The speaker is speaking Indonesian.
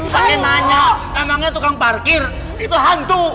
pak rete nanya namanya tukang parkir itu hantu